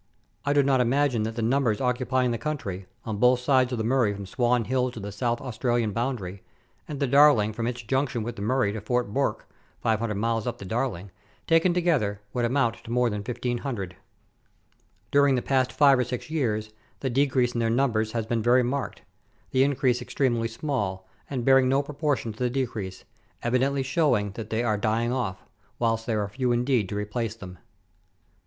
I do not imagine that the numbers occupying the country, on both sides of the Murray from Swan Hill to the South Australian boundary, and the Darling from its junction with the Murray to Fort Bourke (500 miles up the Darling), taken together, would amount to more than 1,500. During the past five or six years, the decrease in their numbers has been very marked; the increase extremely small, and bearing no proportion to the decrease; evidently showing that they are dying off, whilst there are few indeed to replace them.